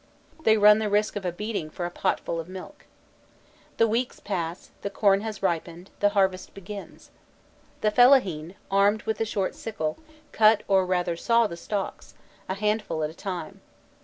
They run the risk of a beating for a potful of milk. The weeks pass, the corn has ripened, the harvest begins. The fellahîn, armed with a short sickle, cut or rather saw the stalks, a handful at a time.